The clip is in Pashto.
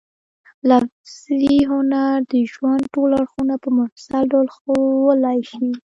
لفظي هنر د ژوند ټول اړخونه په مفصل ډول ښوولای شي.